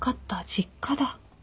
実家だ。